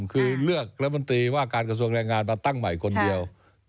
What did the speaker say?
คือเลือกรัฐมนตรีว่าการกระทรวงแรงงานมาตั้งใหม่คนเดียว